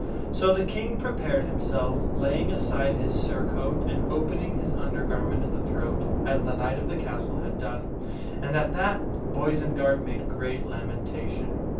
So the King prepared himself, laying aside his surcoat and opening his under garment at the throat, as the knight of the castle had done. And at that Boisenard made great lamentation.